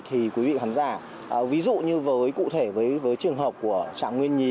thì quý vị khán giả ví dụ như với trường hợp của trạng nguyên nhí